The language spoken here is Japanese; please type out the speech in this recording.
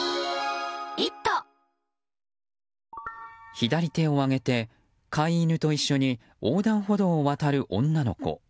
左手を上げて、飼い犬と一緒に横断歩道を渡る女の子。